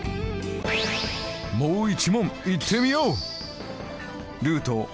もう一問いってみよう！